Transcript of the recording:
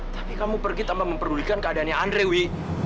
tapi kamu pergi tanpa memperdulikan keadaannya andre wi